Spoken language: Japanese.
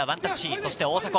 そして大迫。